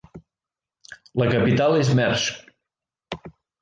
La capital és Mersch.